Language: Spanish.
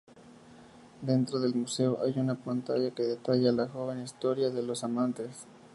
Dentro del museo hay una pantalla que detalla la joven historia de los amantes.